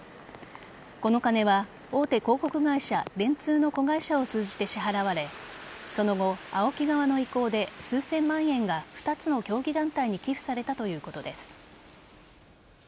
この金は大手広告会社・電通の子会社を通じて支払われその後、ＡＯＫＩ側の意向で数千万円が２つの競技団体に寄付されたということです。